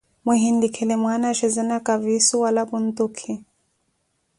Muhinlikhelele mwaana axhezanaka viisu wala puntukhi.